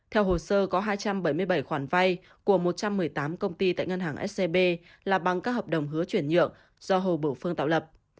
theo hồ sơ có hai trăm bảy mươi bảy khoản vay của một trăm một mươi tám công ty tại ngân hàng scb là bằng các hợp đồng hứa chuyển nhượng do hồ bửu phương tạo lập